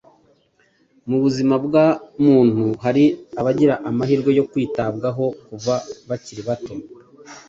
Mu buzima bwa muntu, hari abagira amahirwe yo kwitabwaho kuva bakiri bato,